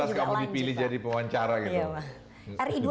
pantas kamu dipilih jadi pemawancara gitu